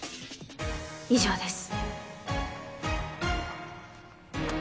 以上です。